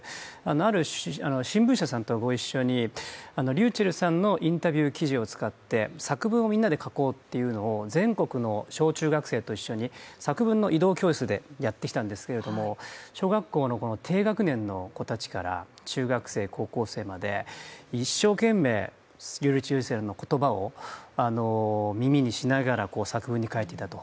ある新聞社さんと一緒にｒｙｕｃｈｅｌｌさんのインタビュー記事を使って作文をみんなで書こうというのを全国の小中学生と一緒に作文の移動教室でやってきたんですけれども小学校の低学年の子たちから中学生、高校生まで一生懸命、ｒｙｕｃｈｅｌｌさんの言葉を耳にしながら作文に書いていたと。